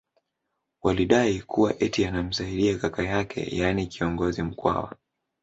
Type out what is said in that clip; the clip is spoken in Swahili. Walidai kuwa eti anamsaidi kaka yake yani kiongozi Mkwawa